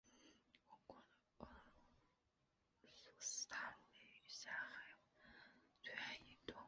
广阔的厄索斯大陆位于狭海对岸以东。